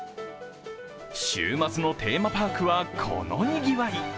週末のテーマパークはこのにぎわい。